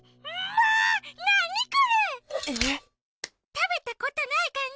たべたことないかんじ！